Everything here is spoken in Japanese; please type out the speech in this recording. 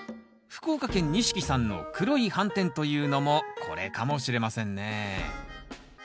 福岡県にしきさんの黒い斑点というのもこれかもしれませんね